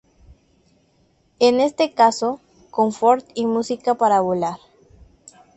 En este caso: Confort y Música para Volar.